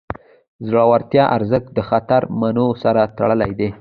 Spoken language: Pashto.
د زړورتیا ارزښت د خطر منلو سره تړلی دی.